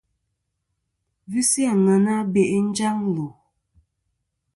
Visi àŋena be'i njaŋ lù.